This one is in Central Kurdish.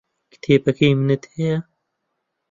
کتێبەکەی منت هەیە؟